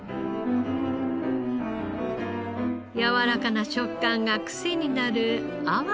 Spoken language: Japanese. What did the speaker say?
やわらかな食感がクセになる鮑のステーキ。